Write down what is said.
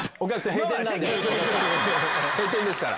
閉店ですから。